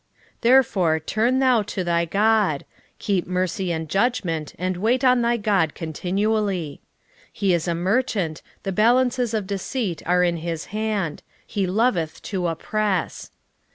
12:6 Therefore turn thou to thy God: keep mercy and judgment and wait on thy God continually. 12:7 He is a merchant, the balances of deceit are in his hand: he loveth to oppress.